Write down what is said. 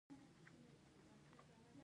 د انجینر نوم باید بد خلک ونه کاروي.